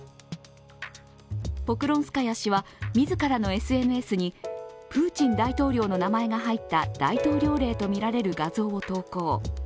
ポクロンスカヤ氏は自らのＳＮＳにプーチン大統領の名前が入った大統領令とみられる画像を投稿。